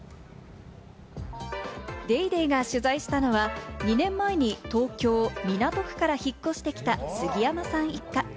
『ＤａｙＤａｙ．』が取材したのは、２年前に東京・港区から引っ越してきた杉山さん一家。